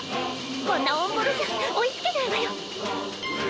こんなオンボロじゃ追いつけないわよ。